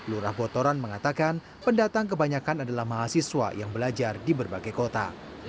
lurah botoran mengatakan pendatang kebanyakan adalah mahasiswa yang belajar di berbagai kota